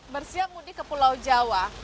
bersiap mudik ke pulau jawa